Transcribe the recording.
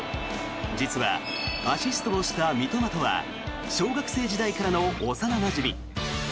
実は、アシストをした三笘とは小学生時代からの幼なじみ。